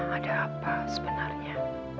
ada apa sebenarnya